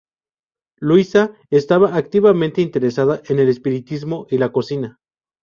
Louisa estaba activamente interesada en el espiritismo y la cocina.